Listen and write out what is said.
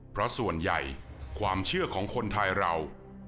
เพราะส่วนใหญ่ความเชื่อของคนไทยเรา